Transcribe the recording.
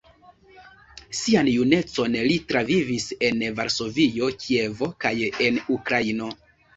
Sian junecon li travivis en Varsovio, Kievo kaj en Ukraino.